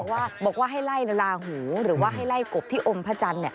บอกว่าให้ไล่ลาหูหรือว่าให้ไล่กบที่อมพระจันทร์